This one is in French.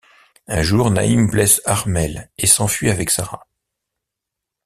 Un jour, Nahim blesse Armelle et s'enfuit avec Sara...